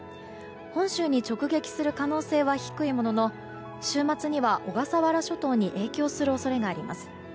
本州に直撃する可能性は低いものの週末には小笠原諸島に影響する恐れがあります。